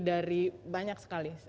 dari banyak sekali